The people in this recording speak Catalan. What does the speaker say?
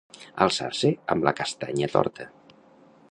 Alçar-se amb la castanya torta.